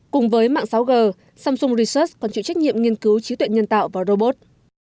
cùng với mạng sáu g samsung research còn chịu trách nhiệm nghiên cứu trí tuyện nhân tạo và robot